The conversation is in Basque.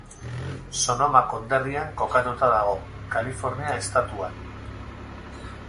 Sonoma konderrian kokatuta dago, Kalifornia estatuan.